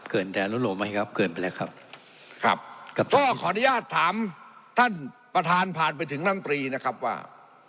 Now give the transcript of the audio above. แต่ละอนุโลมไหมครับเกินไปแล้วครับครับก็ขออนุญาตถามท่านประธานผ่านไปถึงลำปรีนะครับว่า